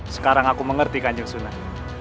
sekarang aku mengerti kanjeng sunan